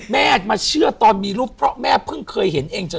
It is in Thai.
แม่มาเชื่อตอนมีรูปเพราะแม่เพิ่งเคยเห็นเอง